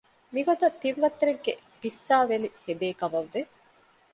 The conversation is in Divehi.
މިގޮތަށް ތިން ވައްތަރެއްގެ ބިއްސާވެލި ހެދޭކަމަށް ވެ